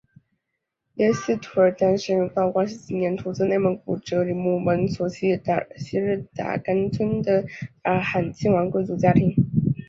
耶希图布丹生于道光十七年出自内蒙古哲里木盟索希日干村的达尔罕亲王贵族家庭。